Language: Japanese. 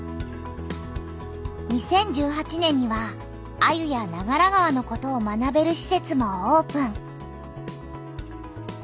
２０１８年にはアユや長良川のことを学べるしせつもオープン！